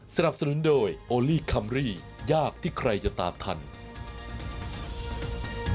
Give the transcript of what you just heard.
สนับสนุนโดยโอลี่คัมรี่ยากที่ใครจะตามทัน